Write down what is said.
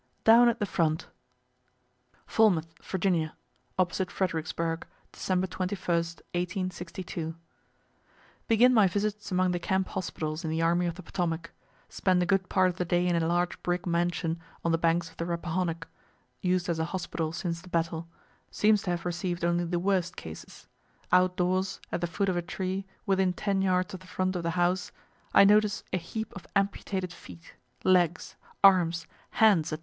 DOWN AT THE FRONT FALMOUTH, VA., opposite Fredericksburgh, December 21, 1862. Begin my visits among the camp hospitals in the army of the Potomac. Spend a good part of the day in a large brick mansion on the banks of the Rappahannock, used as a hospital since the battle seems to have receiv'd only the worst cases. Out doors, at the foot of a tree, within ten yards of the front of the house, I notice a heap of amputated feet, legs, arms, hands, &c.